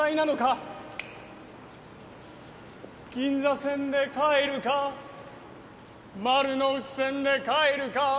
「銀座線で帰るか丸ノ内線で帰るか」